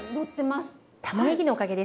たまねぎのおかげですね。